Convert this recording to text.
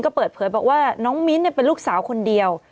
ก็เปิดเผยบอกว่าน้องมิ้นเป็นลูกสาวคนเดียว